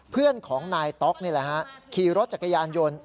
เพื่อนของนายต๊อกนี่แหละฮะขี่รถจักรยานยนต์